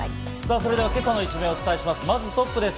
それでは今朝の一面をお伝えします。